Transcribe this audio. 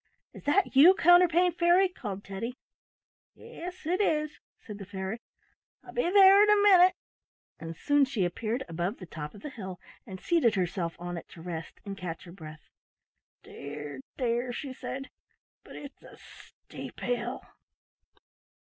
"Is that you, Counterpane Fairy?" called Teddy. "Yes it is," said the fairy. "I'll be there in a minute;" and soon she appeared above the top of the hill, and seated herself on it to rest, and catch her breath. "Dear, dear!" she said, "but it's a steep hill."